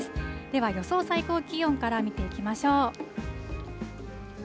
では予想最高気温から見ていきましょう。